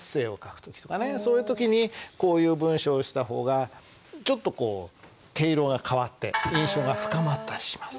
そういう時にこういう文章にした方がちょっとこう毛色が変わって印象が深まったりします。